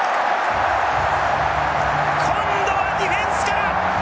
今度はディフェンスから。